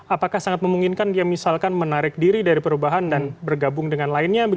apakah sangat memungkinkan dia misalkan menarik diri dari perubahan dan bergabung dengan lainnya